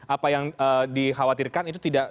apa yang dikhawatirkan